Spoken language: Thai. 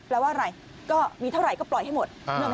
แล้วว่าอะไรก็มีเท่าไหร่ก็ปล่อยให้หมด